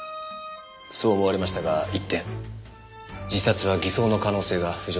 そう思われましたが一転自殺は偽装の可能性が浮上しました。